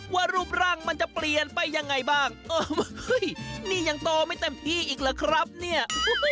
ว่ารูปร่างมันจะเปลี่ยนไปยังไงบ้างนี่ยังโตไม่เต็มที่อีกเหรอครับเนี่ย